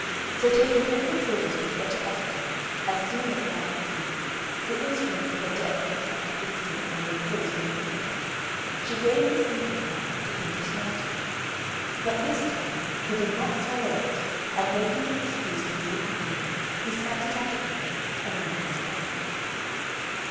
So taking all the treasures which Betta offered her, as soon as Night appeared, the instrument for the debt contracted with Sleep and Repose being liquidated, she gave the sleeping draught to Pintosmalto; but this time he did not swallow it, and making an excuse to leave the room, he spat it out again, and then went to bed.